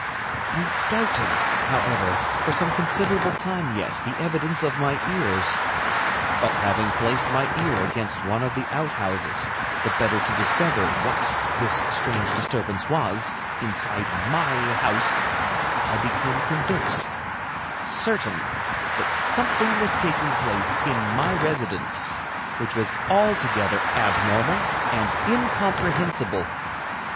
I doubted, however, for some considerable time yet, the evidence of my ears. But having placed my ear against one of the outhouses, the better to discover what this strange disturbance was, inside my house, I became convinced, certain, that something was taking place in my residence which was altogether abnormal and incomprehensible.